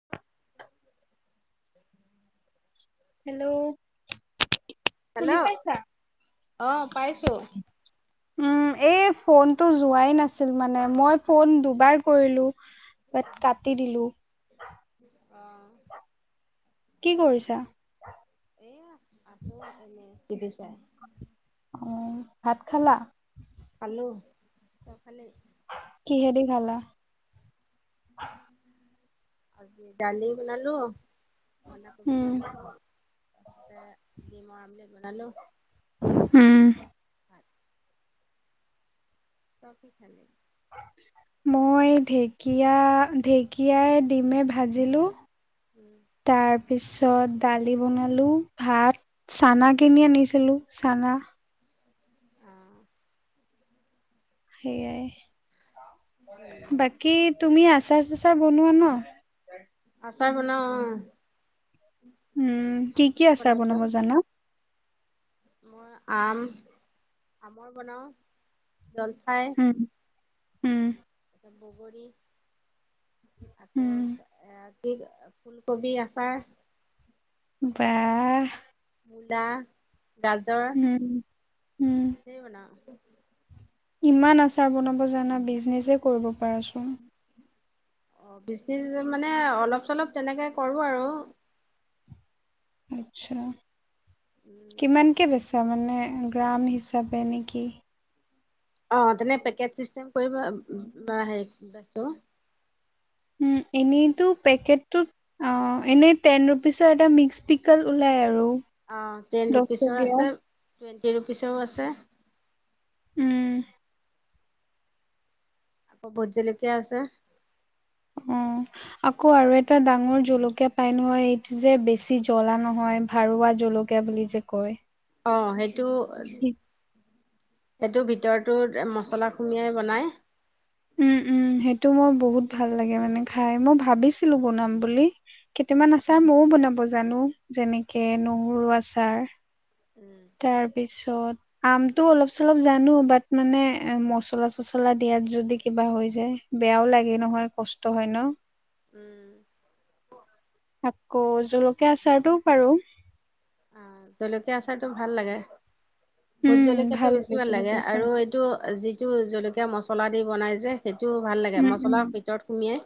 [unintelligible] Hello hello শুনি পাইছা? অ পাইছো। উম এই ফোনতো যোৱাই নাছ চিন মানে মই ফোন দুবাৰ কৰিলো, বাট কাটি দিলো। অ। কি কৰিছা? এয়া আছো এনে টিভি চাই। অ ভাত খালা? পালো। তই খালি? কিহেদি খালা? আজি দালি বনালো, বন্ধাকবি উম, ভাজিলো ডিম আমলেট বনালো। উম। [unintelligible] তই কি খালি? মই ঢেকীয়া, ঢেকীয়াই ডিমে ভাজিলো। উম। তাৰ পিছত দালি বনালো, ভাত চানা কিনি আনিছিলো, চানা। অ। সেইয়াই, উম বাকী তুমি আচাৰ চাচাৰ বনোৱা ন? আচাৰ বনাও অ। উম কি আছে কি আচাৰ বনাই থোৱা বনাব জানা? মই আম, আমৰ বনাওঁ, জলফাই উম, উম। এ বগৰী আকৌ উম, এ কিক ফুলকবি আচাৰ। বাহ। মূলা, গাজ উমহ উম। সেই বনাও। ইমান আচাৰ বনাব জানা বিজনেছে কৰিব পাৰাচোন। অ বিজনেচ মানে অলপ চলপ তেনেকে কৰো আৰু। আত্চ্ছা কিমান কে বেচা মানে গ্ৰাম হিচাপে নেকি? অ তেনে পেকেজ চিষ্টেম কৰিব বা হেৰি বেচো। উম এনেইতো পেকেটটোত অ এনেই টেন ৰুপিচৰ এটা মিক্স পিকল ওলাই আৰু। অ টেন দহ ৰুপিচৰ টকীয়া আছে টুৱেণ্টি ৰুপিচৰো আছে। উম। কো ভুট জলকীয়া আছে অ'। [inaudible] আকৌ আৰু এটা ডাঙৰ পাই নহ'য় এইটো যে জ্বলা নহয় ভাৰুৱা জল কীয়া বুলি যে কয় অঁ সেইটো সেইটো ভিতৰটো মছলা সুমিয়াই বনায় উম উম সেইটো মই বহুত ভাল লাগে মানে খাই মই ভাবিছিলো বনাম বুলি কেইটামান উম আচাৰ মযও বনাব জানো, যেনেকে নহৰু আচাৰ উম তাৰপিছত আমটো অলপ চলপ জানো, বাট মানে মচলা চচলা দিয়াত যদি কিবা হৈ যায় বেয়াও লাগে নহয়, কষ্ট হয় ন'। উম আকৌ জলকীয়া আচাৰটোও পাৰো। অ' জলকীয়া আচাৰটো ভাল লাগে। ভোট উম জলকীয়াটো বেছি ভাল লাগে, জলকীয়া আচাৰ আৰু এইটো যিটো জলকীয়া মছলা দি বনাই যে সেইটো ভাল লাগে, উম উম মছলা ভিতৰত সোমি‌য়াই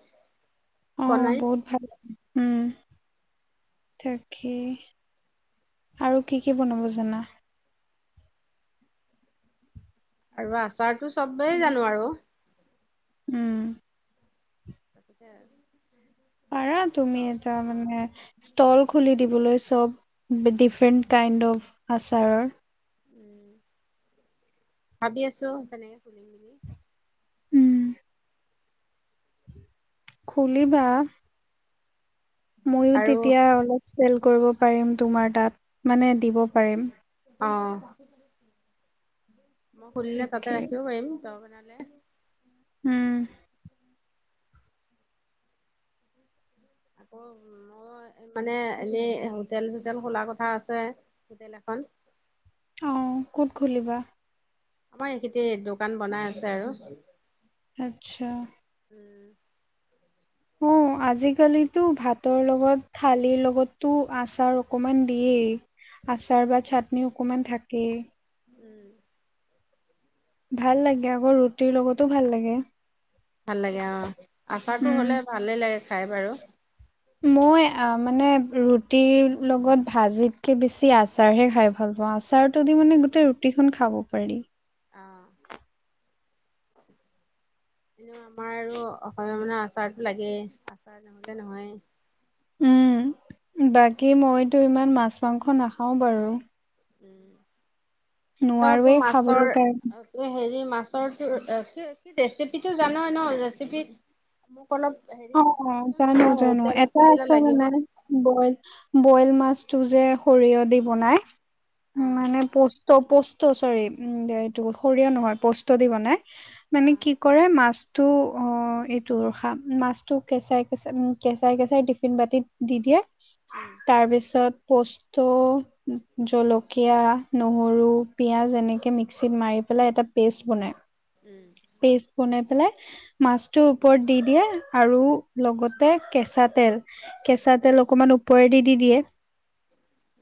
অ বনাই। ভাল বহুত লাগে, উম। তাকেই, আৰু কি কি বনাব জানা? আৰু আচাৰটো চ'বেই জানো আৰু। উম। [unintelligible] আৰু পাৰা তুমি এটা মানে ষ্টল খুলি দিবলৈ, চ'ব ডিফৰেণ্ট কাইণ্ডৰ আচাৰৰ। উম। ভাবি আছো, তেনেকে খুলিম বুলি। উম। খুলিবা। ময়ো আৰু তেতিয়া অলপ চেল কৰিব পাৰিম তোমাৰ তাত, মানে দিব পাৰিম। অঁ', মই খুলিলে তাতে তাকে ৰাখিব পাৰিম, তই বনালে। উম। আকৌ ম মই মানে এনেই হোটেল চোটেল খোলাৰ কথা আছে, হোটেল এখন। অঁ, ক'ত খুলিবা? আমাৰ এইখেতে দোকান বনাই আছে আৰু। আচ্ছা। উম। অঁ, আজিকালিতো ভাতৰ লগত, থালিৰ লগতো আচাৰ অকমান দিয়েই। আচাৰ বা চাটনি অকমান থাকেই। উম। ভাল লাগে আকৌ ৰুটিৰ লগতো ভাল লাগে। ভাল লাগে অঁ', আচাৰটো উম হ'লে ভালেই লাগে খাই বাৰু। মই, আ মানে ৰুটিৰ লগত ভাজিতকে বেছি আচাৰহে খাই ভাল পাওঁ, আচাৰটো দি মানে গোটেই ৰুটিখন খাব পাৰি। অঁহ, এনেও আমাৰ আৰু হ'লেও মানে আচাৰটো লাগেই, আচাৰ নহ'লে নহয়েই। উম, বাকী মইতো ইমান মাছ মাংস নাখাওঁ বাৰু। উম' তইতো নোৱাৰোৱেই খাবলৈ কাৰণে। মাছৰ- তোৰ হেৰি মাছৰটো ৰেচিপিটো জানাই ন' ৰেচিপি- মোক অলপ হেৰি অ' অ', দিবিচোন, জানো মই জানো হোটেল এটা খুলিলে আছে লাগিব। মানে বইল, বইল মাছটো যে সৰিয়হ দি বনাই, অ মানে পৌচ- পস্তৌ পষ্ট চৰি উম' এইটো সৰিয়হ নহয় পস্তো দি বনাই, মানে অ কি- কৰে, মাছটো অঁহ এইটো ৰখা, মাছ- টো কেঁচাই কেচাঁই উম' কেঁচাই কেঁচাই টিফিন বাতিত দি দিয়ে। উম'। তাৰপিছত পোষ্ট- তো, জলকীয়া, নহৰু, পিঁয়াজ এনেকে মিক্সিত মাৰি পেলাই এটা- পেষ্ট বনায়। উম'। পেষ্ট বনাই পেলাই, মাছটো ওপৰত দি দিয়ে, আৰু- লগতে কেঁচা তেল, কেঁচা তেল অকমান ওপৰেদি দি দিয়ে।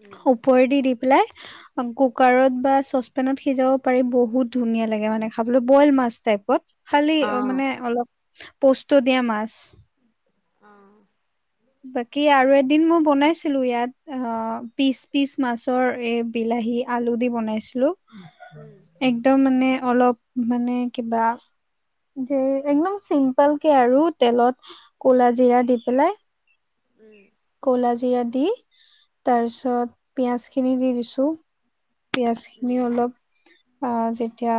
উম ওপৰেদি দি পেলাই- কুকাৰত বা চচপেনত সিজাব পাৰি, বহুত ধুনীয়া লাগে মানে খাবলৈ বইল মাছ টাইপত। খালি অ মানে অলপ পস্তো দিয়া মাছ। অঁ'। বাকী আৰু এদিন মই বনাইছিলো ইয়াত, অঁ পিচ পিচ মাছৰ এই- বিলাহী আলু দি বনাইছিলোঁ। উম'। তেও মানে অলপ মানে কিবা- ধেৰ একদম চিম্পল কে আৰু তেলত কোলা জিৰা দি পেলাই- উম। ক'লা জিৰা দি তাৰ পিছত পিয়াজ খিনি দি দিছো। পিয়াঁজ খিনি উম অলপ আহ যেতিয়া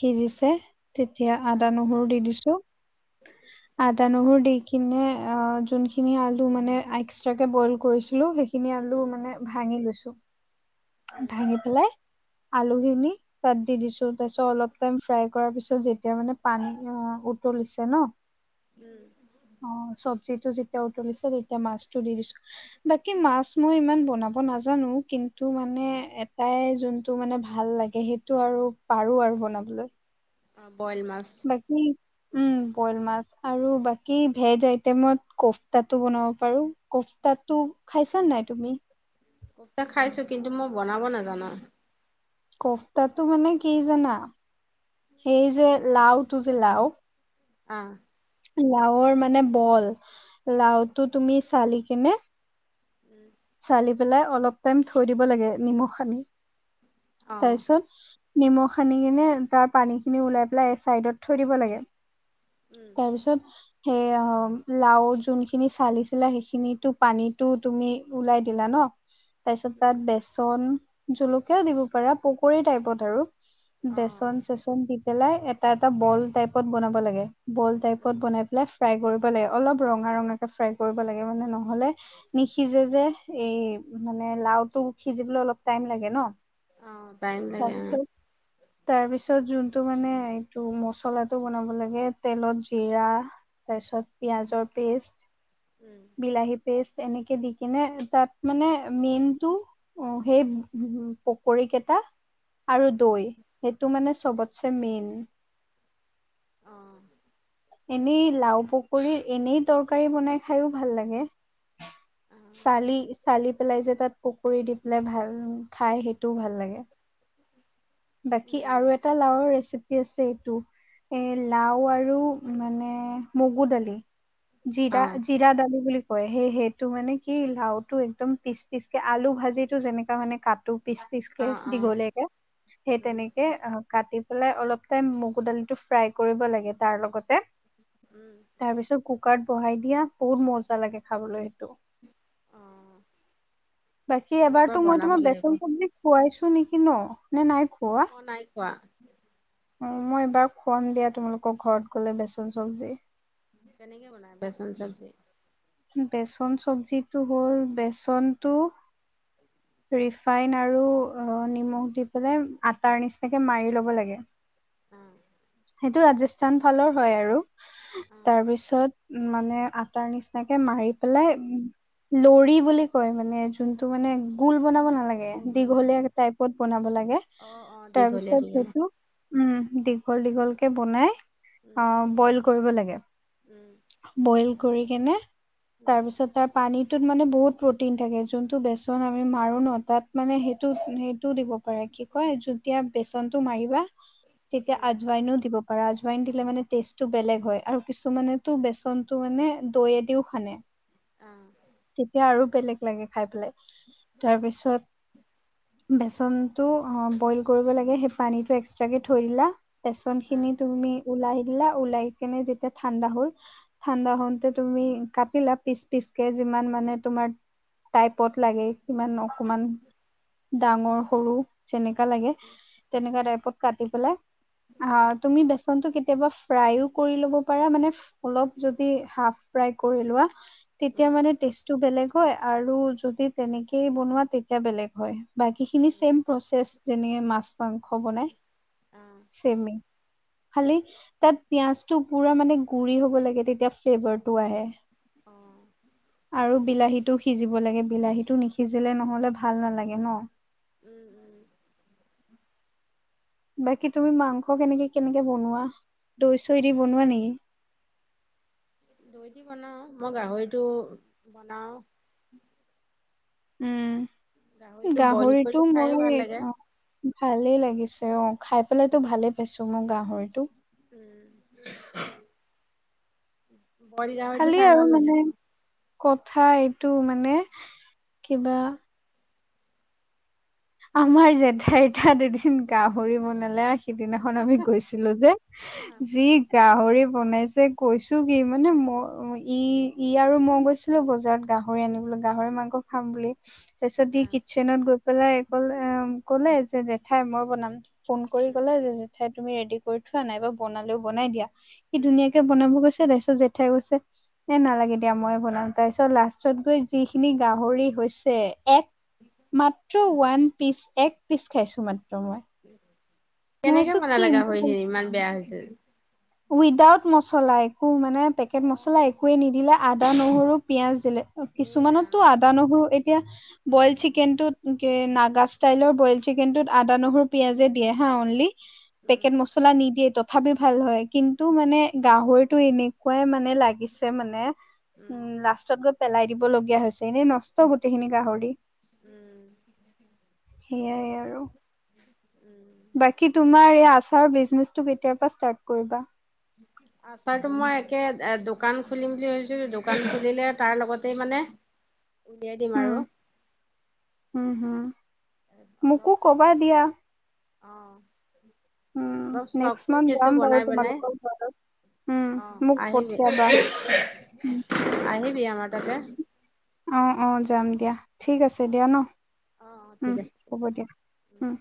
সিজিছে, - তেতিয়া অ আদা নহৰু দি দিছো। অ আদা নহৰু দি কিনে অঁ যোনখিনি আলু মানে এক্সট্ৰাকে বইল কৰিছিলো সেই- খিনি আলু উম মানে ভাঙি লৈছো, উম ভাঙি পেলাই আলুখিনি- তাত দি দিছো, তাৰপিছত অলপ টাইম ফ্ৰাই কৰাৰ পিছত যেতিয়া মানে পানী উতলিছে ন, - উম'। অঁ চব্জিটো যেতিয়া উতলিছে তেতিয়া মাছটো দি দিছো। বাকী মাছ মই ইমান বনাব নাজানো, কিন্তু মানে এটাই যোনটো মানে ভাল লাগ- গে সেইটো আৰু পাৰো আৰু বনাবলৈ। অ বইল মাছ। বাকী, উম। বইল মাছ, আৰু বাকী ভেজ আইটেমত কফতাটো বনাব পাৰো। কফতাটো- খাইছা নে নাই তুমি? কফটা খাইছো, কিন্তু মই বনাব নাজানো। কফতাটো মানে কি জানা? সেই যে লাওটো যে লাও- অঁ'। লাওৰ মানে বল। লাওটো তুমি চালি কিনে- উম'। চালি পেলাই অলপ টাইম থৈ দিব লাগে নিমখ হানি, অ তাৰপিছত- নিমখ সানি কিনে তাৰ পানীখিনি ওলাই পেলাই এই চাইডত থৈ দিব লাগে। উম তাৰপিছত, সেই হম লাও যোনখিনি চালিছিলা সেইখিনি পানীতো তুমি উওলাই দিলা ন। [unintelligible] তাৰ পিছত তাত বেচন জলকীয়াও দিব পাৰা পকৰী টাইপত আৰু। অ বেচন চেচন দি পেলাই এটা এটা বল টাইপত বনাব লাগে। বল উম টাইপত বনাই পেলাই- ফ্ৰাই কৰিব লাগে অলপ ৰঙা ৰঙাকে ফ্ৰাই কৰিব লাগে, মানে নহ'লে নিসিজে যে। এই মানে লাও টো সিজিবলৈ অলপ টাইম লাগে ন। অঁ টাইম লাগে উমঁ। তাৰপিছত তাৰ পিছত যোনটো মানে এইটো মচলাটো বনাব লাগে। তেলত জিৰা তাৰ পিছত পিয়াজৰ পেষ্ট উম বিলাহীত- পেষ্ট এনেকে দি কিনে তাত মানে মেইনটো অঁ সেই পোক- কৰিকেইটা অ আৰু দৈ সেইটো মানে চবতছে মেইন। অঁ! এনেই লাও পকীৰ তৰকাৰী বনাই খাইও ভাল লাগে। অ', চালি চালি পেলাইজে তাত- পুকৰি দি পেলাই ভাল খাই সেইটোও ভাল লাগে। [unintelligible] বাকী আৰু এটা লাওৰ ৰেচিপি আছে। এইটো এ লাও আৰু- মানে মগু দালি, জিৰা অ', জিৰা দালি বুলি - হয়ঁ সেই সেইটো মানে কি লাওটো একদম পিচ পিচ কে আলু ভাজিটো যেনেককা মানে কাটো। পিছ পিছ কে অ', দীঘলিয়াকে - সেই উম, তেনেকে কাটি পেলাই অলপ টাইম মগু দালিটো ফ্ৰাই কৰিব লাগে, তাৰ লগতে- উমঁ! তাৰ পিছত কুকাৰত বহাই দিয়া, বহুত মজা লাগে খাবলৈ সেইটো। অ', বাকী এইবাৰ এবাৰতো মই বনাব তোমাৰ লাগিব। বেচন চবজি- খোৱাইছো নেকি ন, নে নাই খো- মই নাই খোৱা। অঁ, মই এবাৰ খোৱাম দিয়া, তোমালোকৰ ঘৰত গ'লে বেচন চব্জি। কেনেকে বনাই বেচন চব্জি? বেচন চব্জিটো হ'ল, বেচনতটো- [unintelligible] ৰিফাইন আৰু নিমখ অঁ দি পেলাই আটাৰ নিচিনাকে মাৰি ল'ব লাগে। অঁ! সেইটো ৰাজস্থান ফালৰ হয়ঁ আৰু, অ', তাৰ পিছত মানে আটাৰ নিচি - তাকে মাৰি পেলাই লৰি বুলি কয় মানে, যোনটো মানে গোল বনাব নালা - গে গোল বনাই দীঘলীয়া টাইপত বনাব লাগে, অ', অ', দীঘলীয়া তাৰপিছত দীঘলীয়া সেইটো- উমঁ', দীঘল দীঘলকে বনাই আহ বইল কৰিব লাগে। উমঁ। বইল কৰি কেনে উম, তাৰপিছত তাত - পানীটোত মানে বহুত প্ৰটিন থাকে, যোনটো বেচন আমি মাৰোঁ ন, তাত মানে সেইটো সেইটোও দিব- পাৰে কি কয়, যেতিয়া বেচন টো মাৰিবা তেতিয়া উম, আজুৱাইনো দিব পা - পাৰা জৱেইন দিলে মানে টেষ্টটো বেলেগ হয়ঁ, আৰু কিছুমানেটো বেচনতো মানে দৈয়েদিও- ফনে। অ'। তেতিয়া আৰু বেলেগ লাগে খাই পেলাই। তাৰ পিছত- বেচনটো অ', বইল কৰিব লাগে, সেই পানীটো এক্সট্ৰাকে থৈ দিলা। অ', বেচনখিনি তুমি উলাই দিলা, উলাইকেনে যেতিয়া ঠাণ্ডা হ'ল- ঠাণ্ডা হওঁতে তুমি কাটিলা পিছ-পিছকে। যিমান মানে তোমাৰ টাইপত লাগে, সিমান ন'- অকণমান ডাঙৰ, সৰু যেনেকা লাগে, তেনেকা টাইপত- কাটি পেলাই। উম, আ', তুমি বেচনতটো কেতিয়াবা- ফ্ৰাইও কৰি ল'ব পাৰা, মানে অলপ যদি হাফ ফ্ৰাই কৰি লোৱা- তেতিয়া উম, মানে টেষ্টটো বেলেগ- হয়। আৰু যদি তেনেকেই বনোৱা, তেতিয়া বেলেগ হয়। বাকীখিনি উম, চেম প্ৰচেছ। যেনেকে মাছ-মাংস বনায়, অ', চেমে। খালি তাত পিয়াজটো পুৰা মানে গুৰি হ'ব লাগে, তেতিয়া ফ্লেভাৰটো আহে। অ'। আৰু বিলাহীটো সিজিব লাগে। বিলাহীটো নিসিজিলে নহ'লে ভাল নালাগে ন। উম। উম, বাকী তুমি মাংস কেনেকে কেনেকে বনোৱা? দৈ-চৈ দি বনোৱা নেকি? দৈ দি বনাও। মই গাহৰিটো বনাও। উম, বইল কৰি গাহৰিটো খাইও মই, ভাল লাগে, অ'। ভালে লাগিছে অ'। খাই পেলাইতো ভালে পাইছোঁ মই গাহৰিটো। উম, বইল গাহৰিটো খালি খাই আৰু ভাল মানে লাগে আকৌ। কথা এইটো মানে, কিবা- আমাৰ জেঠাইতাত এদিন গাহৰি বনালে হা। সিদিনাখন আমি গৈছিলোঁ যে। অ', যি- গাহৰি বনাইছে কৈছোঁ কি? মানে মই ই', ই' আৰু মই গৈছ - ছিলোঁ বজাৰত গাহৰি আনিবলৈ। গাহৰি মাংস খাম বুলি। তাৰপিছত ই' অ', কিটচেনত গৈ পেলাই- ক'লে ম', ক'লে যে জেঠাই, 'মই বনাম'। ফোন কৰি উম, ক'লে যে, 'জেঠাই তুমি ৰেডি কৰি থোৱা, নাইবা বনালেও বনাই দিয়া'। সি উম। ধুনীয়াকে বনাব গৈছে, তাৰপিছত জেঠাই কৈছে, 'এ নালাগে দিয়া, মইয়ে বনাও', তাৰপিছত লাষ্ট- ছত গৈ যিখিনি গাহৰি হৈছে, এক মাত্ৰ ওৱান পিচ, এক- পিছ খাইছোঁ মাত্ৰ মই। মই কেনেকে ভাবিছো কি বনালে মই গাহৰিখিনি? ইমান বেয়া হৈছে। উইদাউট মছলা। একো মানে পেকেট মছলা অ'। একোৱেই নিদিলে। আদা, নহৰু, পিয়াজ দিলে। অ', এই ৰাম কিছুমানতো আদা নহৰু, এতিয়া - বইল চিকেনটোত, কি নাগা ষ্টাইলৰ বইল চিকেনটোত আদা, নহৰু পিয়াঁজে দিয়ে হা অনলি। উম, পেকেট মছলা নিদিয়ে, তথাপি ভাল হয়। কিন্তু মানে গাহৰিটো এনেকুৱাই মানে লা- গিছে মানে উম, লাষ্টত গৈ পেলাই দিব লগীয়া হৈছে। এনেই নষ্ট গোটেইখিনি গাহৰি। উম। সেয়াই আৰু। উম। বাকী তুমাৰ এই আচাৰ বিজনেচটো কেতিয়াৰ পৰা ষ্টাৰ্ট কৰিবা? [unintelligible] আচাৰটো মই একে এ' দোকান খুলিম বুলি ভাবিছিলোঁ। দোকান খুলিলে তাৰ লগতেই মানে - উলিয়াই দিম আৰু। উম, হম। অলপ। মোকো কবা দিয়া অহ। উম, অলপ ষ্টক নেক্সট কৰি মান্থ যাম থৈছো, বাৰু বনাই বনাই। তোমালোকৰ ঘৰত। উম, অ, মোক আহিবি পঠিয়াবা। উম, [inaudible] আহিবি আমাৰ তালে। অ, অ, যাম দিয়া, ঠিক আছে অ', দিয়া ন, অ', উম, ঠিক আছে। হ'ব দিয়া। উম,